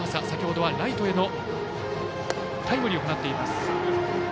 先ほどはライトへのタイムリーを放ってます。